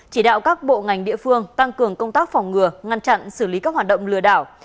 chỉ đạo các bộ ngành địa phương tăng cường công tác phòng ngừa ngăn chặn xử lý các hoạt động lừa đảo